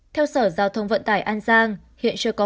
theo sở giao thông vận tải an giang